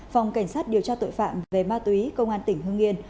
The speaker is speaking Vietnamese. phòng cảnh sát điều tra tội phạm về ma túy công an tỉnh hương yên